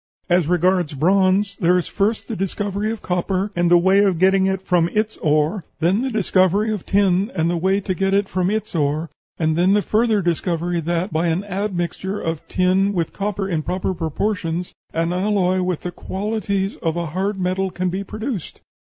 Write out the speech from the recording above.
As regards bronze, there is first the discovery of copper, and the way of getting it from its ore; then the discovery of tin, and the way to get it from its ore; and then the further discovery that, by an admixture of tin with copper in proper proportions, an alloy with the qualities of a hard metal can be produced.